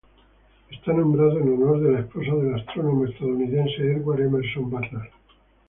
Está nombrado en honor de la esposa del astrónomo estadounidense Edward Emerson Barnard.